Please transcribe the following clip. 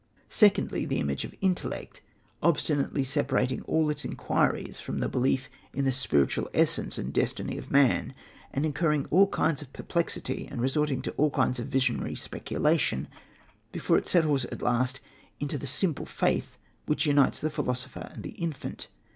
Secondly, the image of Intellect, obstinately separating all its inquiries from the belief in the spiritual essence and destiny of man, and incurring all kinds of perplexity and resorting to all kinds of visionary speculation before it settles at last into the simple faith which unites the philosopher and the infant.